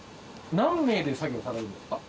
何名で作業されるんですか？